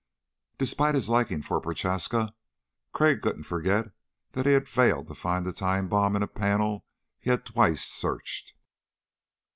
Despite his liking for Prochaska, Crag couldn't forget that he had failed to find the time bomb in a panel he had twice searched.